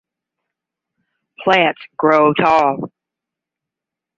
Plants grow tall.